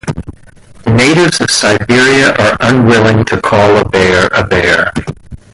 The natives of Siberia are unwilling to call a bear a bear.